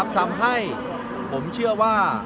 ทำให้ผมเชื่อว่า